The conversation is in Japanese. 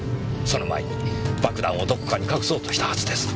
その前に爆弾をどこかに隠そうとしたはずです。